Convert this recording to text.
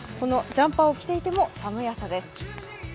ジャンパーを着ていても寒い朝です。